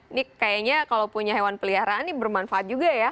ini kayaknya kalau punya hewan peliharaan ini bermanfaat juga ya